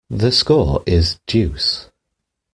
The score is deuce.